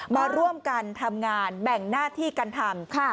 มาร่วมกันทำงานแบ่งหน้าที่กันทำ